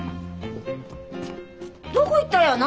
どこ行ったんやな？